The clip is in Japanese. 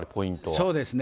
そうですね。